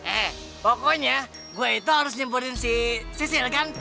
eh pokoknya gue itu harus nyeburin si sisil kan